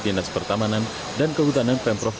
dinas pertamanan dan kehutanan pemprov